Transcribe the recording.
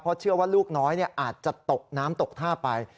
เพราะเชื่อว่าลูกน้อยอาจจะตกน้ำตกท่าไป